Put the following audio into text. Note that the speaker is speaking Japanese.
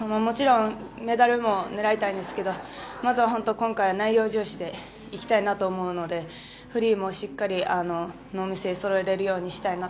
もちろんメダルも狙いたいですけどまずは今回、内容重視でいきたいなと思うのでフリーもしっかりノーミスでそろえれるようにしたいです。